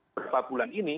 beberapa bulan ini